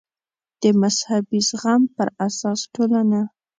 د مذهبي زغم پر اساس ټولنه